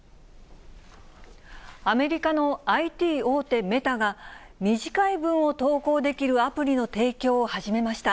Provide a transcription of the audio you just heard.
アメリカのＩＴ大手、メタが、短い文を投稿できるアプリの提供を始めました。